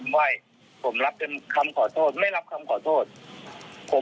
ผมรับเป็นคำขอโทษไม่รับคำขอโทษ